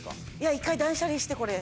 一回断捨離してこれ。